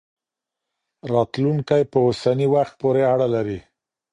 راتلونکی په اوسني وخت پورې اړه لري.